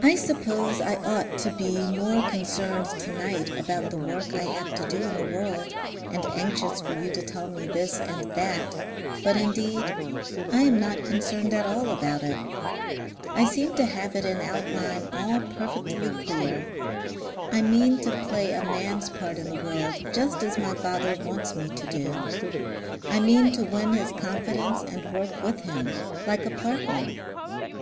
"I suppose I ought to be more concerned tonight about the work I have to do in the world and anxious for you to tell me this and that, but indeed I am not concerned at all about it. I seem to have it in outline all perfectly clear. I mean to play a man's part in the world just as my father wants me to do. I mean to win his confidence and work with him like a partner.